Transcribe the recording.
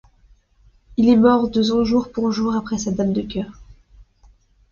Il est mort deux ans jours pour jour après sa dame de cœur.